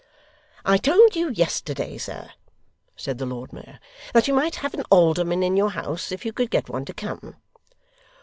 'I told you yesterday, sir,' said the Lord Mayor, 'that you might have an alderman in your house, if you could get one to come.